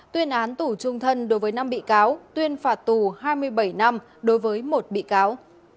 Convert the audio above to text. tuyên án tù trung thân đối với năm bị cáo tuyên phạt tù hai mươi bảy năm đối với một bị cáo